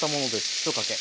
１かけ。